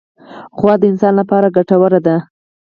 غوا د انسان له پاره ګټوره ده.